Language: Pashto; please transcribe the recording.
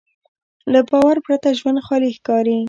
له باور پرته ژوند خالي ښکاري.